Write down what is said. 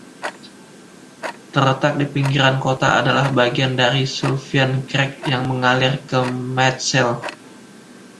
Terletak di pinggiran kota adalah bagian dari Sullivan Creek, yang mengalir ke Mitchell.